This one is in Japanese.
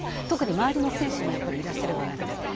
特に周りの選手もいらっしゃるような中で。